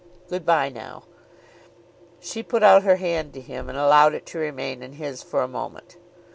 Good bye now." She put out her hand to him and allowed it to remain in his for a moment.